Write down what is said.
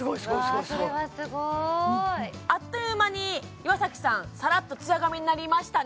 それはすごいあっという間に岩崎さんサラッとツヤ髪になりましたね